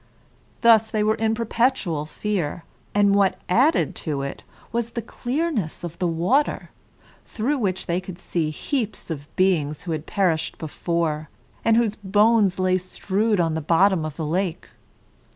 Thus they were in perpetual fear; and what added to it, was the clearness of the water, through which they could see heaps of beings who had perished before, and whose bones lay strewed on the bottom of the lake.